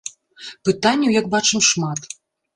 Пытанняў, як бачым, шмат.